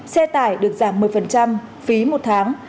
xe tải được giảm một mươi phí một tháng